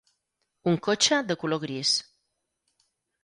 Un cotxe de color gris.